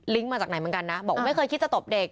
มาจากไหนเหมือนกันนะบอกว่าไม่เคยคิดจะตบเด็ก